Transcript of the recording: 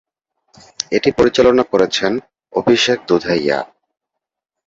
এটি পরিচালনা করেছেন অভিষেক দুধাইয়া।